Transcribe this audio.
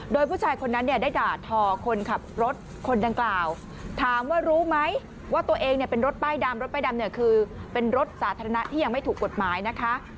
โดยผู้ชายคนนั้นเนี่ยได้ด่าทอคนขับรถคนดังกล่าวถามว่ารู้ไหมว่าตัวเองเนี่ยเป็นรถป้ายดำรถป้ายดำเนี่ยคือเป็นรถสาธารณะที่ยังไม่ถูกกฎหมายนะคะ